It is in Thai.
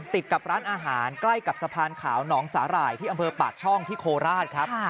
ติดกับร้านอาหารใกล้กับสะพานขาวหนองสาหร่ายที่อำเภอปากช่องที่โคราชครับ